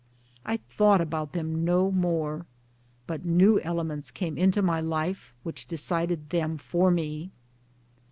I thought about them no more ; but new elements came into my life which decided them for me.